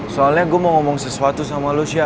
soalnya gua mau ngomong sesuatu sama lu sya